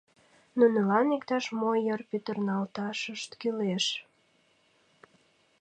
Нунылан иктаж-мо йыр пӱтырналташышт кӱлеш.